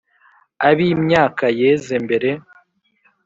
abi myaka yeze mbere